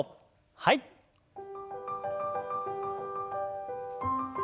はい。